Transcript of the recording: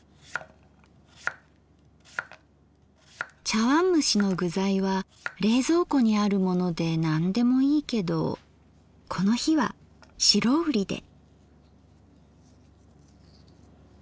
茶わんむしの具材は冷蔵庫にあるもので何でもいいけどこの日は白瓜で。